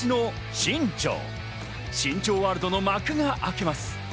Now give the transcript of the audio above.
新庄ワールドの幕が開けます。